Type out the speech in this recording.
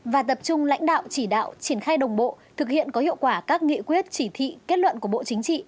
và tập trung lãnh đạo chỉ đạo triển khai đồng bộ thực hiện có hiệu quả các nghị quyết chỉ thị kết luận của bộ chính trị